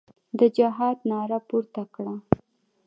د جهاد ناره پورته کړه.